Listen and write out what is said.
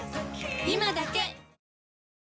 今だけ！